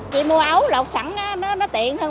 chị mua ấu luộc sẵn nó tiện hơn